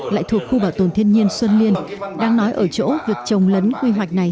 lại thuộc khu bảo tồn thiên nhiên xuân liên đang nói ở chỗ việc trồng lấn quy hoạch này